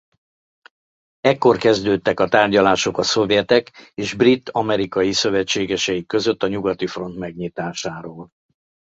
Ekkor kezdődtek a tárgyalások a szovjetek és brit–amerikai szövetségeseik között a nyugati front megnyitásáról.